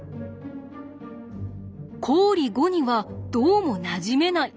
公理５にはどうもなじめない。